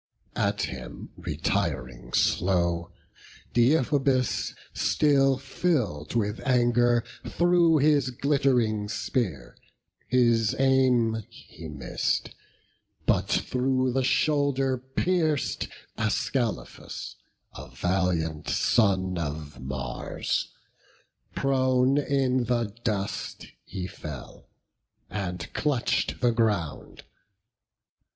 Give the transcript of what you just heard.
At him, retiring slow, Deiphobus, Still fill'd with anger, threw his glitt'ring spear: His aim he miss'd; but through the shoulder pierc'd Ascalaphus, a valiant son of Mars; Prone in the dust he fell, and clutch'd the ground.